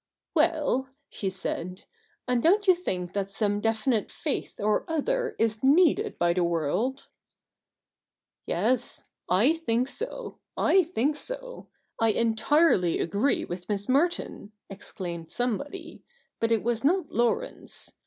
' Well,' she said, ' and don't you think that some definite faith or other is needed by the world ?'' Yes, / think so; /think so. I entirely agree with Miss Merton,' exclaimed somebody. But it was not Laurence.